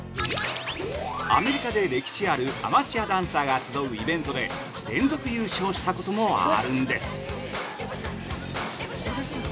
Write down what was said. アメリカで歴史ある、アマチュアダンサーが集うイベントで連続優勝したこともあるんです。